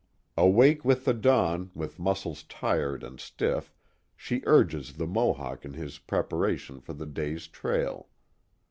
Awake with the dawn with muscles tired and stiff, she urges the Mohawk in his preparation for the day's trail.